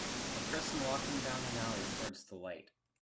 A person walking down an alley towards the light.